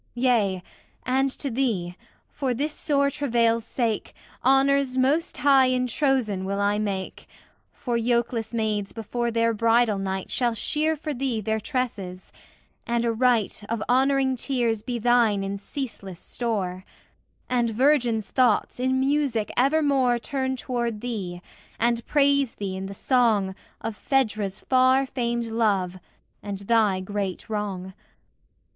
Yea, and to thee, for this sore travail's sake, Honours most high in Trozên will I make; For yokeless maids before their bridal night Shall shear for thee their tresses; and a rite Of honouring tears be thine in ceaseless store; And virgin's thoughts in music evermore Turn toward thee, and praise thee in the Song Of Phaedra's far famed love and thy great wrong.